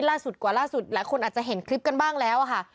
ล่าสุดกว่าล่าสุดหลายคนอาจจะเห็นคลิปกันบ้างแล้วค่ะ